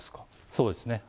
そうですね。